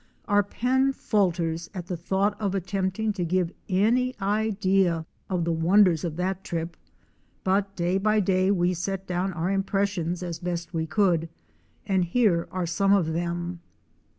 Our pen falters at the thought of attempting to give any idea of the wonders of that trip, but day by day we set down our impressions as best we could and here are some of them.